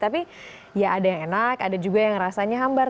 tapi ya ada yang enak ada juga yang rasanya hambar